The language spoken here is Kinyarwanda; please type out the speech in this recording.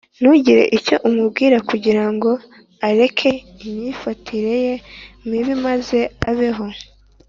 ntugire icyo umubwira kugira ngo areke imyifatire ye mibi maze abeho,